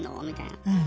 みたいな。